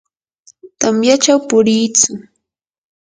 tamyachaw puriitsu.